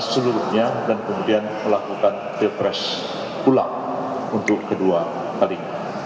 seluruhnya dan kemudian melakukan pilpres ulang untuk kedua kalinya